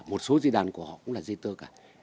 một số di đàn của họ cũng là di tơ cả